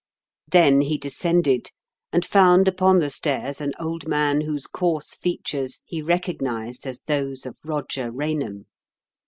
Then he descended, and found upon the stairs an old man whose coarse features he recognised as those of Eoger Eainham.